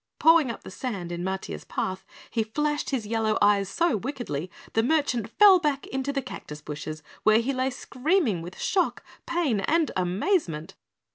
Pawing up the sand in Matiah's path, he flashed his yellow eyes so wickedly, the merchant fell back into the cactus bushes, where he lay screaming with shock, pain and amazement.